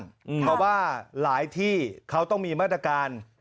เพราะว่าหลายที่เขาต้องมีมาตรการ